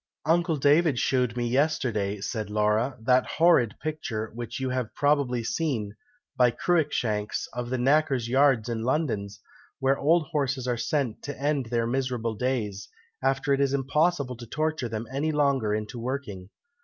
"Uncle David shewed me yesterday," said Laura, "that horrid picture which you have probably seen, by Cruickshanks, of the Knackers' Yards in London, where old horses are sent to end their miserable days, after it is impossible to torture them any longer into working.